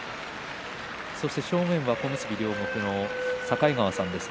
正面に小結両国の境川さんです。